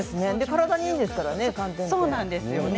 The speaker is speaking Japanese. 体にいいですからね